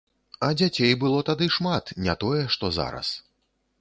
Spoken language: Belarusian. А дзяцей было тады шмат, не тое што зараз.